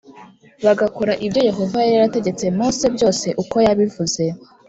bagakora ibyo Yehova yari yarategetse Mose byose uko yabivuze.